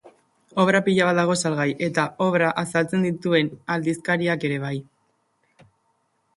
Obra pilo bat dago salgai, eta obrak azaltzen dituzten aldizkariak ere bai.